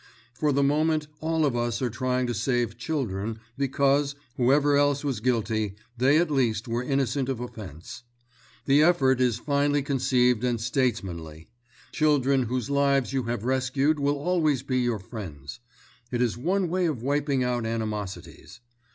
For the moment all of us are trying to save children because, whoever else was guilty, they at least were innocent of offence. The effort is finely conceived and states manly; children whose lives you have rescued will always be your friends. It is one way of wiping out animosities.